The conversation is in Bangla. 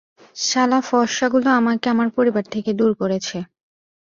সালা ফর্সা গুলো আমাকে আমার পরিবার থেকে দূর করেছে।